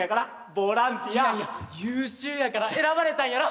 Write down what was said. いやいや優秀やから選ばれたんやろ？